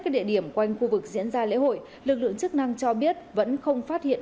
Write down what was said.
các địa điểm quanh khu vực diễn ra lễ hội lực lượng chức năng cho biết vẫn không phát hiện